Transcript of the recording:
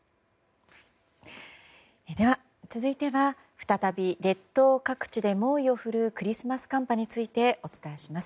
では、続いては再び列島各地で猛威を振るうクリスマス寒波についてお伝えします。